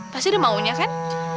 pasti ada maunya kan